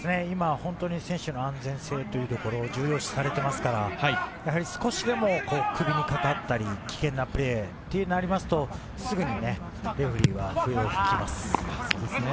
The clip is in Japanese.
選手の安全性というところを重要視されていますから、少しでも首にかかったり、危険なプレーとなりますと、すぐにレフェリーが笛を吹きます。